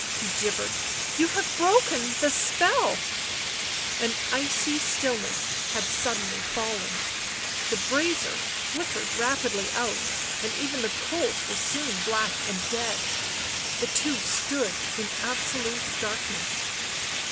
he gibbered. "You have broken the spell !" An icy stillness had suddenly fallen; the brazier flickered rapidly out, and even the coals were soon black and dead ; the two stood in absolute darkness.